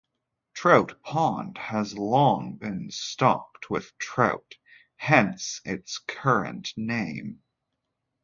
Trout Pond has long been stocked with trout, hence its current name.